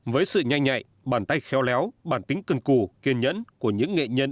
với sự nhanh nhạy bàn tay khéo léo bản tính cân cù kiên nhẫn của những nghệ nhân